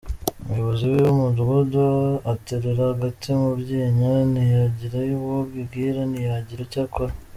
Umuyobozi w’umudugudu aterera agati mu ryinyo, ntiyagira uwo abibwira ntiyagira icyo akora.